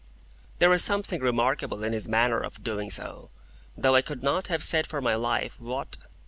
There was something remarkable in his manner of doing so, though I could not have said for my life what.